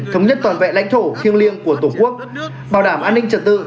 thống nhất toàn vẹn lãnh thổ thiêng liêng của tổ quốc bảo đảm an ninh trật tự